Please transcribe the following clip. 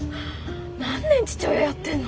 何年父親やってんの？